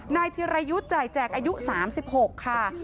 นายทีรายุจัยแจกอายุ๓๖ค่ะ